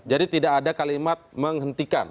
jadi tidak ada kalimat menghentikan